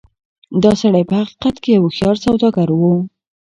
دا سړی په حقيقت کې يو هوښيار سوداګر و.